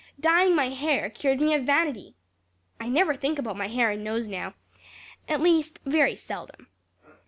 Dyeing my hair cured me of vanity. I never think about my hair and nose now at least, very seldom.